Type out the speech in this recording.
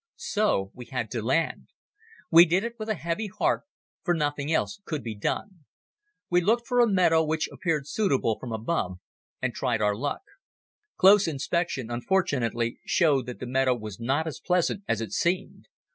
So we had to land. We did it with a heavy heart for nothing else could be done. We looked for a meadow which appeared suitable from above and tried our luck. Close inspection unfortunately showed that the meadow was not as pleasant as it seemed.